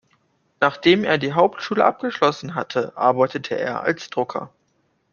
Nachdem er die Hauptschule abgeschlossen hatte, arbeitete er als Drucker.